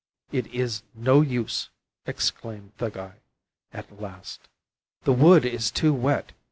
'It is no use,' exclaimed Thuggai, at last. 'The wood is too wet.